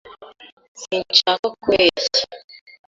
Sinshaka kubeshya.